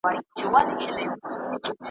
د پامیر دي، د هري، د ننګرهار دي .